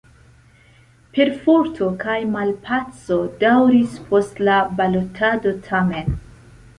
Perforto kaj malpaco daŭris post la balotado tamen.